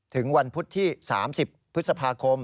ถึงวันพุธที่๓๐พฤษภาคม